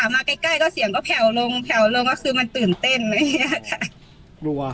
จังหวะมาใกล้ใกล้ก็เสียงก็แผ่วลงแผ่วลงก็คือมันตื่นเต้นไหมครับ